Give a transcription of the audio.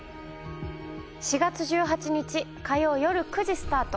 ４月１８日火曜よる９時スタート。